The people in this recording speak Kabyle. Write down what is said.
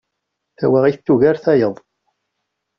Tawaɣit tugar tayeḍ.